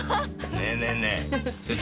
ねえねえねえ